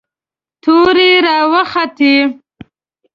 تورې را وختې.